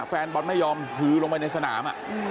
แฟนบอลไม่ยอมฮือลงไปในสนาม